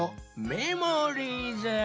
メモリーズ。